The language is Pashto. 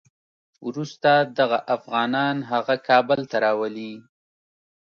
وروسته دغه افغانان هغه کابل ته راولي.